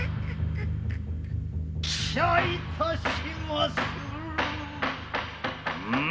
喜捨いたしまする。